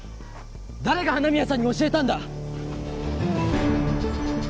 誰が花宮さんに教えたんだ？